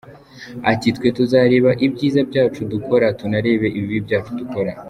Ati: “Twe tuzareba ibyiza byacu dukora, tunarebe ibibi byacu dukora.